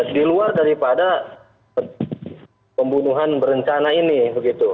di luar daripada pembunuhan berencana ini begitu